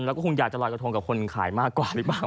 แล้วก็คงอยากจะลอยกระทงกับคนขายมากกว่าหรือเปล่า